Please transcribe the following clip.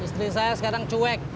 istri saya sekarang cuek